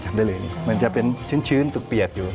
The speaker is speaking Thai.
ได้เลยมันจะเป็นชื้นเปียกอยู่